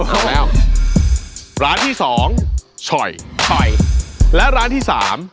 ครับร้านที่สองช่วยถ่อยแล้วร้านที่สาม